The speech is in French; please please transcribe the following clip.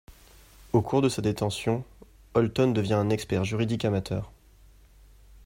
Au cours de sa détention, Holton devient un expert juridique amateur.